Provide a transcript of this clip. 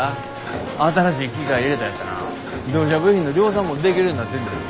新しい機械入れたよってな自動車部品の量産もできるようになってんで。